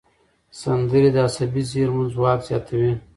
سندرې د عصبي زېرمو ځواک زیاتوي.